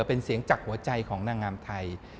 เป็นเสียงจากหัวใจของนางงามไทย